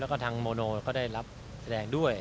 แล้วก็ทางโมโนก็ได้รับแรงด้วย